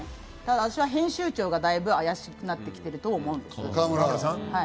私は編集長がだいぶ怪しくなってきてると思います。